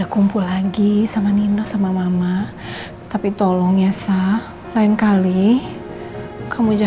aku minta maaf tapi aku masih ingin kita tetap